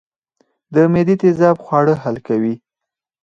د معدې تیزاب خواړه حل کوي